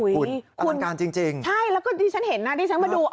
อุ้ยคุณอันตรับการจริงจริงใช่แล้วก็ที่ฉันเห็นนะที่ฉันมาดูอ๋อ